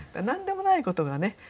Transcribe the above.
何でもないことがね